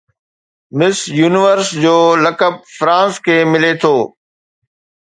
مس Universe جو لقب France کي ملي ٿو